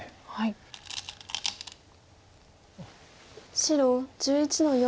白１１の四。